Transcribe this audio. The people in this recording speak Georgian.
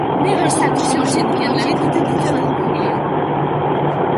მეორე სართულის შემორჩენილ კედლებში თითო-თითო სათოფურია.